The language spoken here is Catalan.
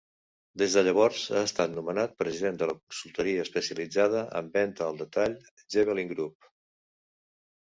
Des de llavors ha estat nomenat president de la consultoria especialitzada en venta al detall "Javelin Group".